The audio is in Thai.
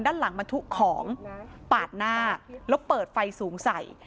ด้านหลังบรรทุกของปาดหน้าแล้วเปิดไฟสูงใส่